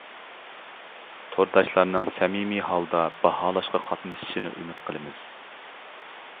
تورداشلارنىڭ سەمىمىي ھالدا باھالاشقا قاتنىشىشىنى ئۈمىد قىلىمىز.